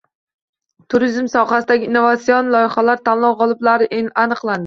Turizm sohasidagi innovatsion loyihalar tanlovi g‘oliblari aniqlandi